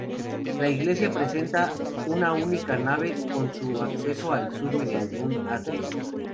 La iglesia presenta una única nave con acceso al sur mediante un atrio.